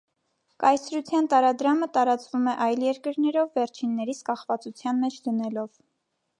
Կայսրության տարադրամը տարածվում է այլ երկրներով, վերջիններիս կախվածության մեջ դնելով։